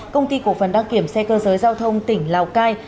công ty cổ phần đăng kiểm xe cơ giới giao thông tỉnh lào cai